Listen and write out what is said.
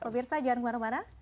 pemirsa jangan kemana mana